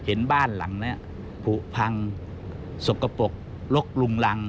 เห็นบ้านหลังนี้ผูกพังสกปรกลกลุงรัง